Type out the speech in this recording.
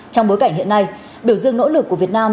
trong bối cảnh hiện nay biểu dương nỗ lực của việt nam